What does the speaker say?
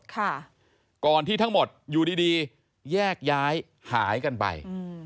ก่อนที่ทั้งหมดอยู่ดีดีแยกย้ายหายกันไปอืม